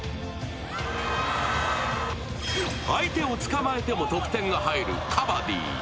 相手を捕まえても得点が入るカバディ。